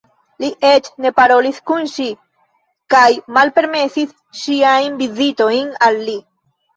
Li eĉ ne parolis kun ŝi kaj malpermesis ŝiajn vizitojn al li.